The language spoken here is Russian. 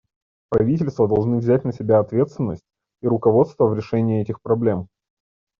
Правительства должны взять на себя ответственность и руководство в решении этих проблем.